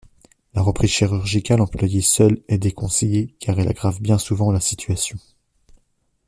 La reprise chirurgicale employée seule est déconseillée car elle aggrave bien souvent la situation.